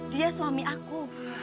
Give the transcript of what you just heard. dia suami aku